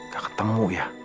gak ketemu ya